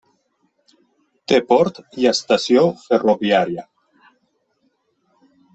Té port i estació ferroviària.